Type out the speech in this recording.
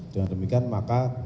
dengan demikian maka